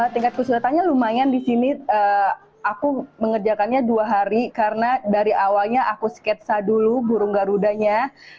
tingkat kesulitannya lumayan di sini aku mengerjakannya dua hari karena dari awalnya aku sketsa dulu burung garudanya